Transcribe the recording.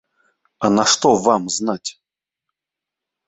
А нашто вам знаць?